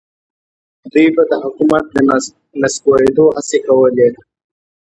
دوی به د حکومت د نسکورېدو هڅې کولې.